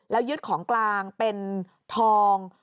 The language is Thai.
แล้วยึดของกลางเป็นทอง